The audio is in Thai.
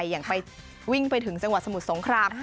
อย่างไปวิ่งไปถึงจังหวัดสมุทรสงคราม